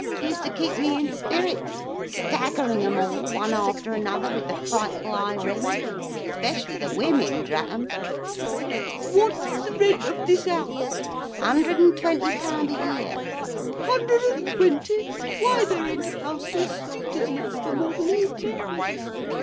It used to keep me in spirits, staggering 'em all, one after another, with the frightful high rent—specially the women, drat 'em. 'What's the rent of this house?'—'Hundred and twenty pound a year!'—'Hundred and twenty? why, there ain't a house in the street as lets for more than eighty!